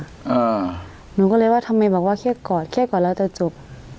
หนูก็เลยว่าทำไมบอกว่าแค่กอดแค่กอดแล้วจะจบ